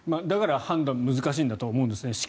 だから判断が難しいんだと思うんですね。